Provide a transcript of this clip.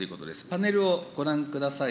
パネルをご覧ください。